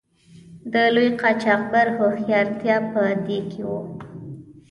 د لوی قاچاقبر هوښیارتیا په دې کې وه.